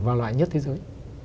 và loại nhất thế giới